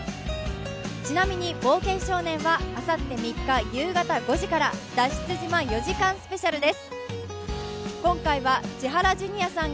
ちなみに「冒険少年」はあさって３日夕方５時から「脱出島４時間スペシャル」です。